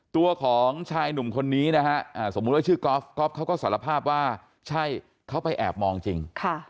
ตัวของชายหนุ่มคนนี้นะฮะสมมุติว่าชื่อกอล์ฟก๊อฟเขาก็สารภาพว่าใช่เขาไปแอบมองจริง